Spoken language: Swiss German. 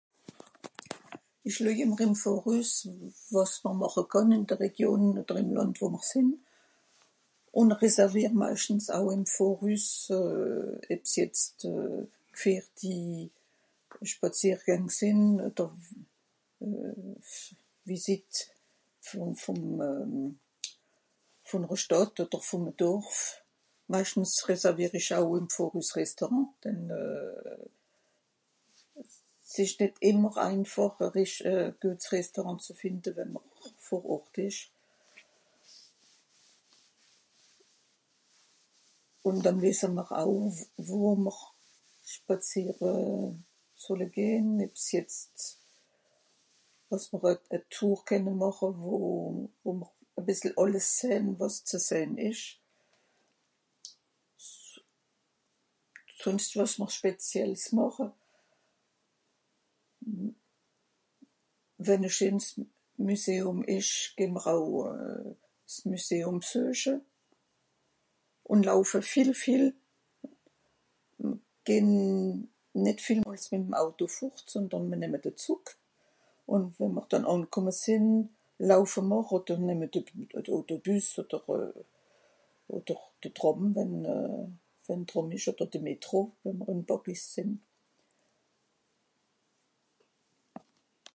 Ìch luej ìmmer ìm Vorüs, wàs mr màche kànn ìn de Region odder ìm Lànd wo mr sìnn. Ùn reservier meischtens au ìm Vorüs euh eb's jetzt fer die Spàziergäng odder Vistit vùnre Stàdt odder fer e Dorf. Meischtens reservier ìch au ìm Vorüs s'Restaurant, denn s ìsch nìt ìmmer einfàch e rìch... e güet Restaurant ze fìnde wenn mr vor Ort ìsch. Ùn dànn wìsse mr au wo mr spàzìere solle gehn eb's jetzt, àss mr e Tour kenne màche wo, wo mr e bìssel àlles sehn wàs ze sehn ìsch. Sùnscht wàs mr speziells màche. Wenn e schéns Müseùm ìsch geh'mr au s Müseùm bsueche. Ùn laufe viel viel, ùn nìt vìel mìt m Auto fùrt sondern mìr nemme de Zùg ùn wo mr dànn ànkùmme sìnn laufe mr odder nemme mr de Büs odder de Tràm ùn (...) odder de Metro, wenn mr ìn Pàris sìnn.